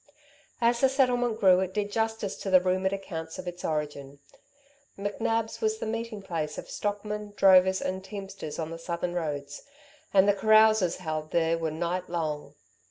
As the settlement grew, it did justice to the rumoured accounts of its origin. McNab's was the meeting place of stockmen, drovers and teamsters on the southern roads, and the carouses held there were night long.